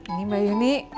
ini mbak yuni